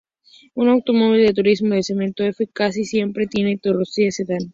Un automóvil de turismo del segmento F casi siempre tiene carrocería sedán.